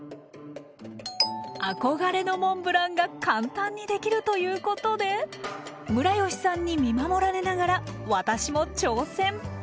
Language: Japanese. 憧れのモンブランが簡単にできるということでムラヨシさんに見守られながら私も挑戦！